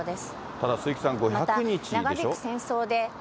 ただ鈴木さん、５００日でしょ？